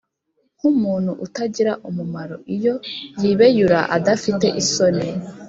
nk’umuntu utagira umumaro, iyo yibeyura adafite isoni!